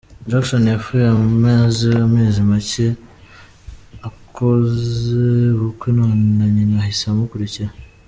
Jackson yapfuye amaze amezi macye akoze ubukwe none na nyina ahise amukurikira.